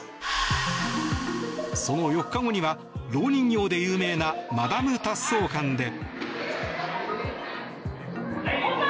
その４日後にはろう人形で有名なマダム・タッソー館で。